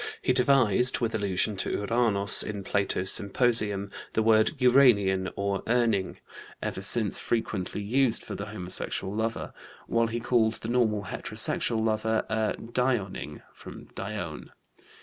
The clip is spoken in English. He devised (with allusion to Uranos in Plato's Symposium) the word uranian or urning, ever since frequently used for the homosexual lover, while he called the normal heterosexual lover a dioning (from Dione).